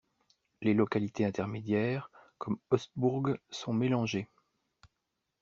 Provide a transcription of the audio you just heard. Les localités intermédiaires, comme Oostburg sont mélangées.